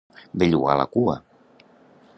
Bellugar la cua.